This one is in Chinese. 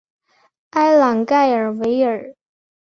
埃朗盖尔维尔。